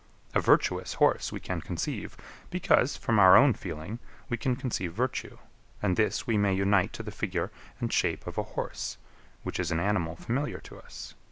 A virtuous horse we can conceive; because, from our own feeling, we can conceive virtue; and this we may unite to the figure and shape of a horse, which is an animal familiar to us.